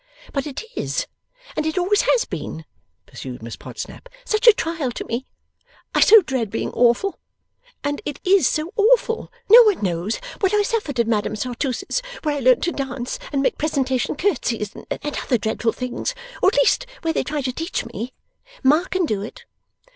'But it is, and it always has been,' pursued Miss Podsnap, 'such a trial to me! I so dread being awful. And it is so awful! No one knows what I suffered at Madame Sauteuse's, where I learnt to dance and make presentation curtseys, and other dreadful things or at least where they tried to teach me. Ma can do it.